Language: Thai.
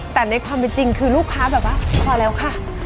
แต่ในความจริงคือลูกค้าพอแล้วค่ะ